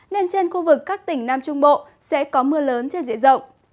nên trên khu vực các tỉnh nam trung bộ sẽ có mưa lớn trên diện rộng